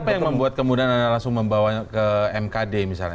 apa yang membuat kemudian anda langsung membawa ke mkd misalnya